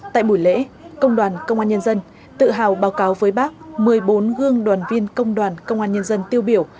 tại buổi lễ công đoàn công an nhân dân tự hào báo cáo với bác một mươi bốn gương đoàn viên công đoàn công an nhân dân tiêu biểu